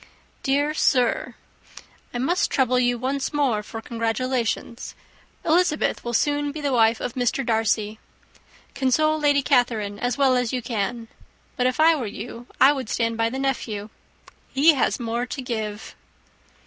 /* "Dear Sir, */ "I must trouble you once more for congratulations. Elizabeth will soon be the wife of Mr. Darcy. Console Lady Catherine as well as you can. But, if I were you, I would stand by the nephew. He has more to give.